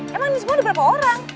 emang ini semua ada berapa orang